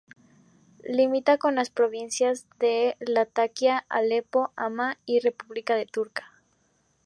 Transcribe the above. Limita con las provincias de Latakia, Alepo, Hama, y con la República de Turquía.